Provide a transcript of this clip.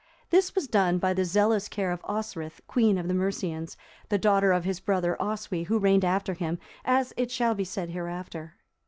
This was done by the zealous care of Osthryth, queen of the Mercians,(343) the daughter of his brother Oswy, who reigned after him, as shall be said hereafter.